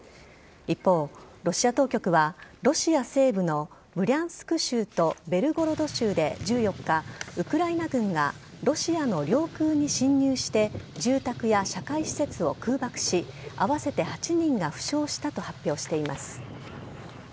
一方、ロシア当局はロシア西部のブリャンスク州とベルゴロド州で１４日ウクライナ軍がロシアの領空に侵入して住宅や社会施設を空爆し合わせて８人が負傷したと発表しています。